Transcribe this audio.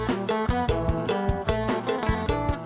โปรดติดตามตอนต่อไป